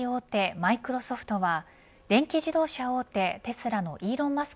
マイクロソフトは電気自動車大手テスラのイーロン・マスク